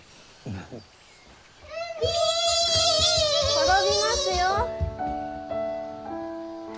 転びますよ！